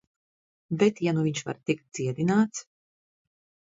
Bet ja nu viņš var tikt dziedināts...